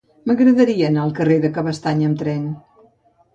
M'agradaria anar al carrer de Cabestany amb tren.